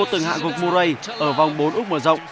từng hạ gục murray ở vòng bốn úc mở rộng